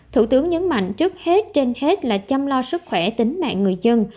thủ tướng nhấn mạnh trước hết trên hết là chăm lo sức khỏe tính mạng người dân